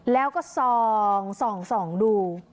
แล้วก็ส่องดู